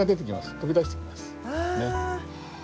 飛び出してきます。